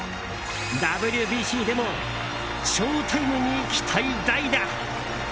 ＷＢＣでも翔タイムに期待大だ！